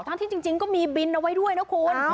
ที่จริงก็มีบินเอาไว้ด้วยนะคุณ